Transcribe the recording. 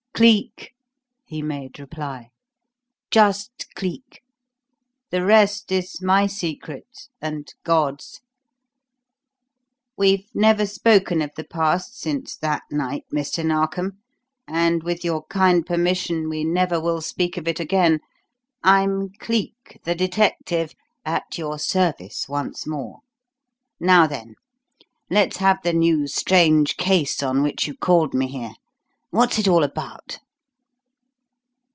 "Cleek," he made reply. "Just Cleek! The rest is my secret and God's! We've never spoken of the past since that night, Mr. Narkom, and, with your kind permission, we never will speak of it again. I'm Cleek, the detective at your service once more. Now, then, let's have the new strange case on which you called me here. What's it all about?"